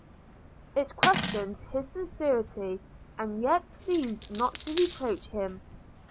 It questioned his sincerity, and yet seemed not to reproach him.